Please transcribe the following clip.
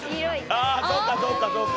ああそうかそうか。